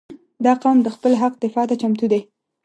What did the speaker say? • دا قوم د خپل حق دفاع ته چمتو دی.